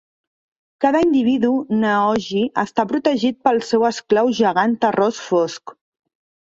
Cada individu neogi està protegit pel seu esclau gegant terrós fosc.